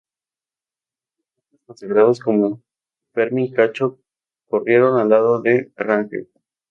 Atletas consagrados como Fermín Cacho corrieron al lado de Rangel.